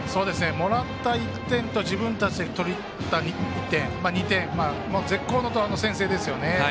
もらった１点と自分たちで取った１点絶好の先制ですよね。